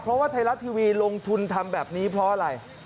เพราะว่าไทยรัฐทีวีลงทุนทำแบบนี้เพราะอะไร